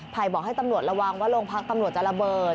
บอกให้ตำรวจระวังว่าโรงพักตำรวจจะระเบิด